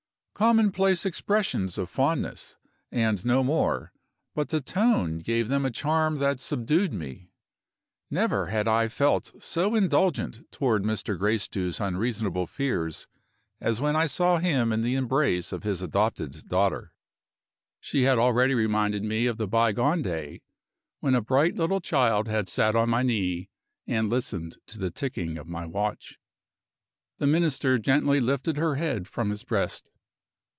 Commonplace expressions of fondness, and no more; but the tone gave them a charm that subdued me. Never had I felt so indulgent toward Mr. Gracedieu's unreasonable fears as when I saw him in the embrace of his adopted daughter. She had already reminded me of the bygone day when a bright little child had sat on my knee and listened to the ticking of my watch. The Minister gently lifted her head from his breast.